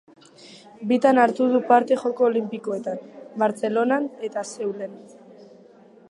Bitan hartu du parte Joko Olinpikoetan: Bartzelonan eta Seulen.